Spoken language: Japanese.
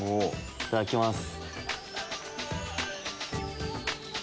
いただきます。